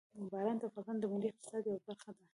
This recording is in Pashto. باران د افغانستان د ملي اقتصاد یوه برخه ده.